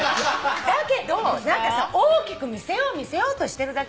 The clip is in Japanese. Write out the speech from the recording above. だけど大きく見せよう見せようとしてるだけで。